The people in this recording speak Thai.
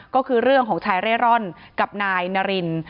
ก็คือเรื่องของชายเร่ร่อนกับนายนาริน